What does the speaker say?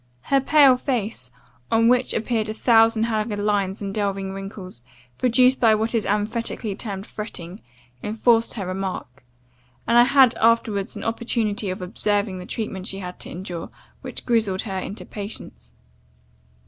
Her pale face, on which appeared a thousand haggard lines and delving wrinkles, produced by what is emphatically termed fretting, inforced her remark; and I had afterwards an opportunity of observing the treatment she had to endure, which grizzled her into patience.